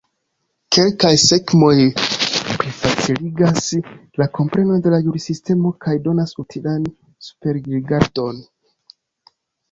Kelkaj skemoj plifaciligas la komprenon de la jursistemo kaj donas utilan superrigardon.